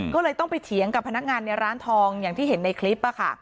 ก็เลยต้องไปเถียงกับพนักงานในร้านทองอย่างที่เห็นในคลิป